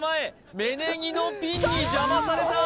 芽ネギのピンに邪魔されたうわ